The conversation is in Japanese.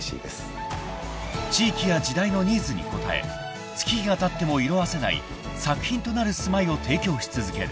［地域や時代のニーズに応え月日がたっても色あせない作品となる住まいを提供し続ける］